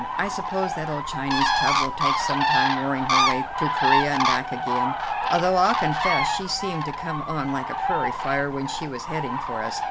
I suppose that old Chinese tub will take some time worrying her way to Corea and back again, although I'll confess she seemed to come on like a prairie fire when she was heading for us.